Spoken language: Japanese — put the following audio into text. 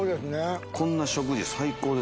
こんな食事最高ですよ。